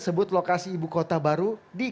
sebut lokasi ibu kota baru di